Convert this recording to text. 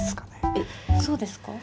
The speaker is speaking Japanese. えっそうですか？